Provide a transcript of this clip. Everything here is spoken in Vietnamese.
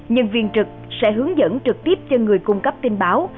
nhân viên trực sẽ hướng dẫn trực tiếp cho người cung cấp tin báo